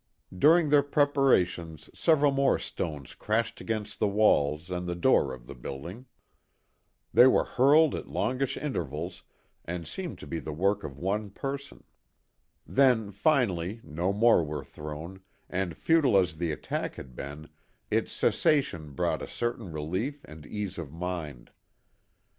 During their preparations several more stones crashed against the walls and the door of the building. They were hurled at longish intervals, and seemed to be the work of one person. Then, finally no more were thrown, and futile as the attack had been, its cessation brought a certain relief and ease of mind.